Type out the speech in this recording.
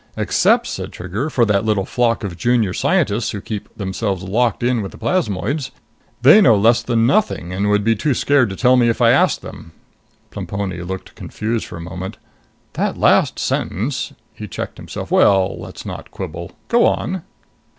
"Except," said Trigger, "for that little flock of Junior Scientists who keep themselves locked in with the plasmoids. They know less than nothing and would be too scared to tell me that if I asked them." Plemponi looked confused for a moment. "The last sentence " He checked himself. "Well, let's not quibble. Go on."